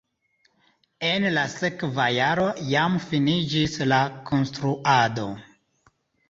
En la sekva jaro jam finiĝis la konstruado.